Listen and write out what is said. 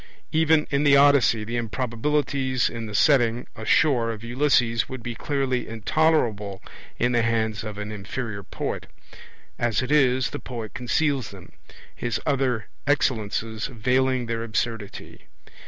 Even in the Odyssey the improbabilities in the setting ashore of Ulysses would be clearly intolerable in the hands of an inferior poet. As it is, the poet conceals them, his other excellences veiling their absurdity.